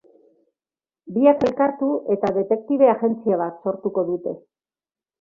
Biak elkartu eta detektibe agentzia bat sortuko dute.